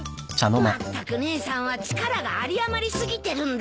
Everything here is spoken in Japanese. まったく姉さんは力が有り余り過ぎてるんだよ。